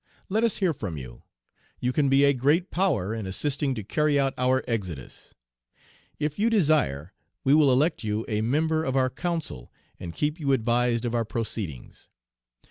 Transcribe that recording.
Let us hear from you. You can be a great power in assisting to carry out our Exodus. If you desire we will elect you a member of our council and keep you advised of our proceedings.